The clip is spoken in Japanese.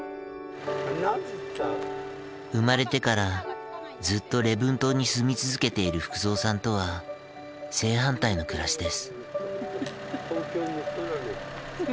生まれてからずっと礼文島に住み続けている福蔵さんとは正反対の暮らしです。